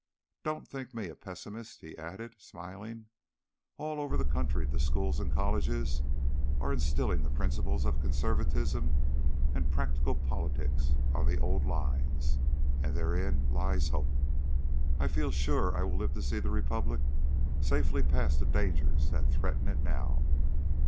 Don't think me a pessimist," he added, smiling. "All over the country the Schools and colleges are instilling the principles of conservatism and practical politics on the old lines, and therein lies hope. I feel sure I shall live to see the Republic safely past the dangers that threaten it now.